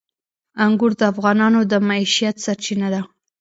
انګور د افغانانو د معیشت سرچینه ده.